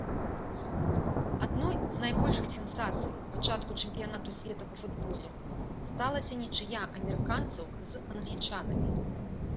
Адной з найбольшых сенсацый пачатку чэмпіянату свету па футболе сталася нічыя амерыканцаў з англічанамі.